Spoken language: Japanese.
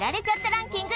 ランキング